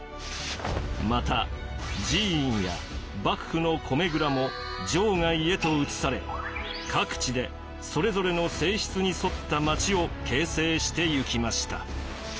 また寺院や幕府の米蔵も城外へと移され各地でそれぞれの性質に沿ったまちを形成してゆきました。